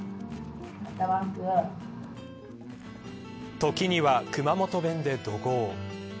時には熊本弁で怒号。